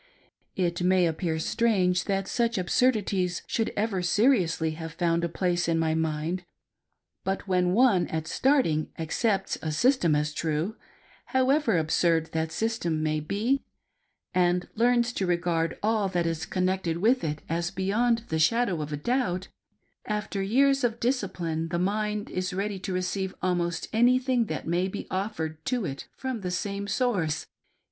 It may appear strange that such absurdities should ever seriously have found a place in my mind ; but when one at starting accepts a system as true — however absurd that system may be — and learns to regard aU that is connected with it as beyond the shadow of a doubt — after years of discipline, the mind is ready to receive almost anything that may be offered to it from the same source.